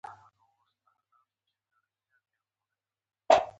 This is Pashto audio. د شهادت د لومړي تلین مراسم پیل وو.